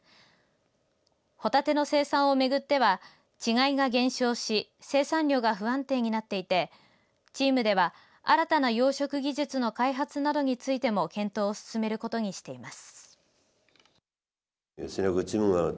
ホタテの生産を巡っては稚貝が減少し生産量が不安定になっていてチームでは新たな養殖技術の開発などについても検討を進めることにしています。